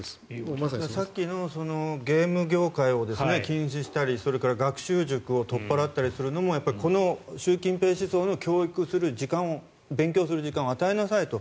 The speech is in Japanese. さっきのゲーム業界を禁止したりそれから学習塾を取っ払ったりするのもこの習近平思想の教育する時間を勉強する時間を与えなさいと。